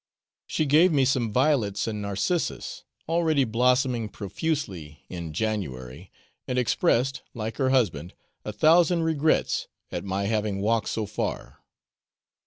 She gave me some violets and narcissus, already blossoming profusely in January and expressed, like her husband, a thousand regrets at my having walked so far.